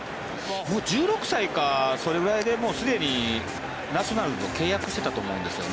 １６歳かそれくらいですでにナショナルズと契約していたと思うんですよね。